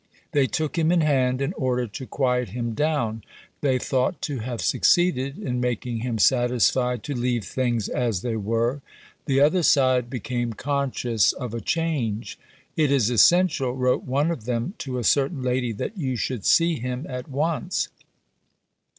They took him in hand in order to quiet him down. They thought to have succeeded in making him satisfied to leave things as they were. The other side became conscious of a change. "It is essential," wrote one of them to a certain lady, "that you should see him at once."